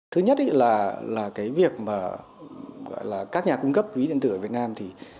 thứ nhất là các nhà cung cấp ví điện tử ở việt nam